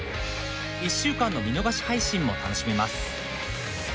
１週間の見逃し配信も楽しめます。